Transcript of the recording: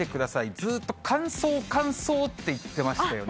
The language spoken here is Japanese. ずっと乾燥乾燥って言ってましたよね。